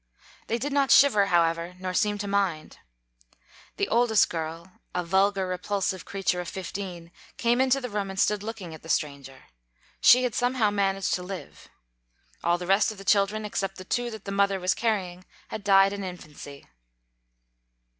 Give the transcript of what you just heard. They did not shiver, however, nor seem to mind. The oldest girl, a vulgar, repulsive creature of fifteen, came 74 into the room and stood looking at the stranger. She had somehow managed to live. All the rest .of the children, except the two that the mother was carrying, had died in infancy.